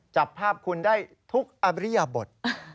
จับภาพคุณได้ทุกอริยบท